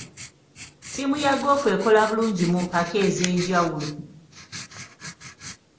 Ttiimu ya goofu ekola bulungi mu mpaka ez'enjawulo.